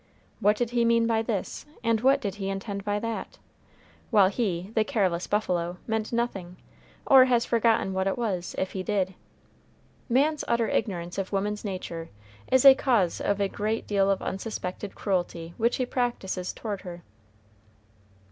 What did he mean by this? and what did he intend by that? while he, the careless buffalo, meant nothing, or has forgotten what it was, if he did. Man's utter ignorance of woman's nature is a cause of a great deal of unsuspected cruelty which he practices toward her.